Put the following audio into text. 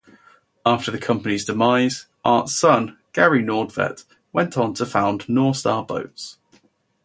After the company's demise, Art's son, Gary Nordtvedt, went on to found Norstar Boats.